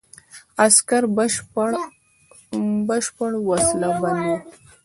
عسکر بشپړ وسله بند وو.